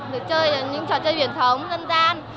được chơi những trò chơi truyền thống dân gian